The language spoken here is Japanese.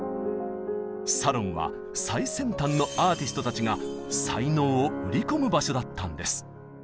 サロンは最先端のアーティストたちが才能を売り込む場所だったんです。